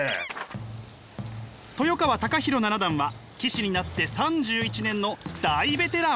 豊川孝弘七段は棋士になって３１年の大ベテラン。